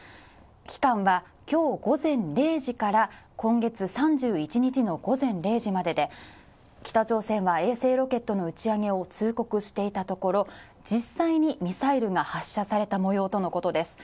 期間は今日午前０時から今月３１日の午前０時までで北朝鮮は衛星ロケットの打ち上げを通告していたところ、実際にミサイルが発射されたもようとのことです。